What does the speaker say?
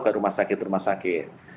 ke rumah sakit rumah sakit